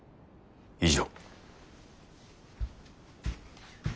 以上。